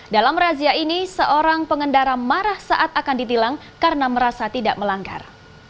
dalam razia ini seorang pengendara marah saat akan ditilang karena merasa tidak melanggar